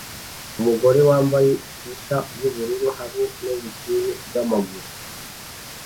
Umugore wambaye swater yubururu hamwe nubushyuhe bwamaguru